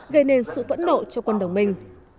gây nên sự vẫn nộ cho quân đồng minh